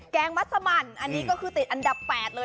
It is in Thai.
แกงมาธมันคือปุ๋นอันดับ๘